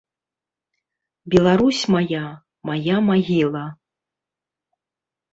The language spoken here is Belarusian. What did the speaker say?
Беларусь мая, мая магіла.